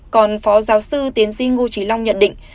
còn phó giáo sư tiến sĩ ngô trí long nhận định